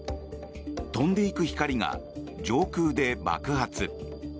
飛んでいく光が上空で爆発。